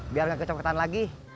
biar gak kecopetan lagi